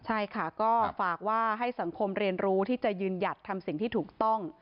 ใช่ค่ะก็ฝากว่าให้สังคมเรียนรู้ที่จะยืนหยัดทำสิ่งที่ถูกต้อง